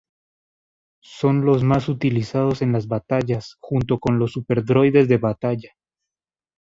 Son los más utilizados en las batallas, junto con los Super droides de batalla.